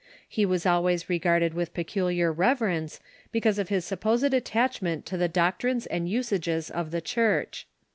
He was always regarded with peculiar reverence, because of his supposed attachment to the doctrines and usages of the Church.